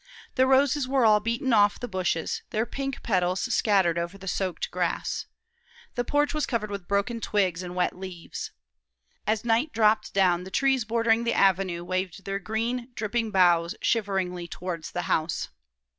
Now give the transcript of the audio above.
The roses were all beaten off the bushes, their pink petals scattered over the soaked grass. The porch was covered with broken twigs and wet leaves. As night dropped down, the trees bordering the avenue waved their green, dripping boughs shiveringly towards the house.